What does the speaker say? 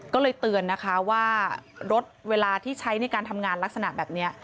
ก็เลยเตือนนะคะว่ารถเวลาที่ใช้ในการทำงานลักษณะแบบนี้